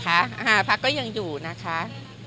พระการเมืองตอนนี้พักก็ยังอยู่นะคะ